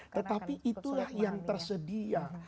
tetapi itulah yang tersedia